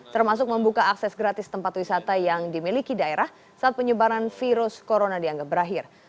termasuk membuka akses gratis tempat wisata yang dimiliki daerah saat penyebaran virus corona dianggap berakhir